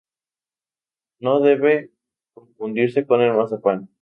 No debe confundirse con el mazapán.